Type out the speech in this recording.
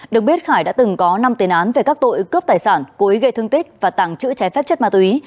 được biết khải đã từng có năm tên án về các tội cướp tài sản cố ý gây thương tích và tặng chữ trái phép chất ma túy